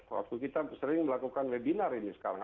waktu kita sering melakukan webinar ini sekarang